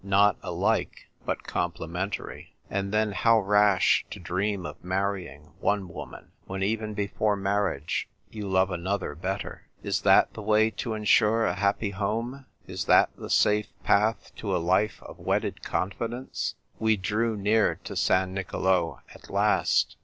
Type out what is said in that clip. Not alike, but com p 2 220 THE TYPE WRITER GIRL. plementary. And then, how rash to dream of marrying one woman when, even before marriage, you love another better ! Is tJiat the way to insure a happy home ? Is that the safe path to a life of wedded confidence ? We drew near to San Nicolo at last.